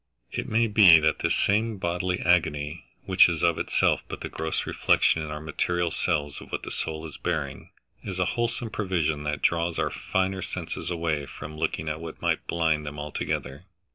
It may be that this same bodily agony, which is of itself but the gross reflection in our material selves of what the soul is bearing, is a wholesome provision that draws our finer senses away from looking at what might blind them altogether.